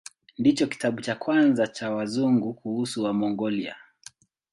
Ndicho kitabu cha kwanza cha Wazungu kuhusu Wamongolia.